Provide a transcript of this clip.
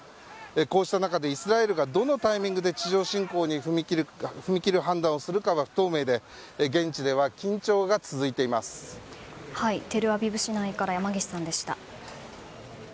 こうした中、イスラエルがどのタイミングで地上侵攻に踏み切る判断をするかは不透明でテルアビブ市内から山岸さんでした。